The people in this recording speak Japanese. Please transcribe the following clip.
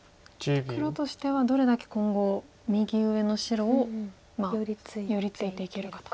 黒としてはどれだけ今後右上の白を寄り付いていけるかと。